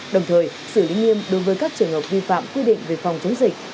đồng thời xử lý nghiêm đối với các trường hợp vi phạm quy định về phòng chống dịch